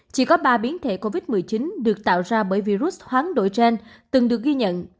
chỉ có ba biến thể covid một mươi chín được tạo ra bởi virus hoáng đổi trên từng được ghi nhận